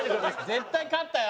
絶対勝ったよ。